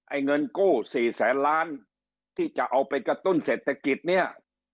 เงินกู้สี่แสนล้านที่จะเอาไปกระตุ้นเศรษฐกิจเนี่ย